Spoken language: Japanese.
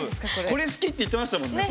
これ好きって言ってましたもんね